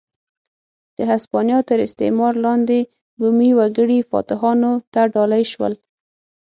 د هسپانیا تر استعمار لاندې بومي وګړي فاتحانو ته ډالۍ شول.